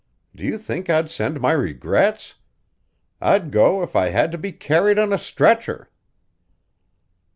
Do you think I'd send my regrets? I'd go if I had to be carried on a stretcher!"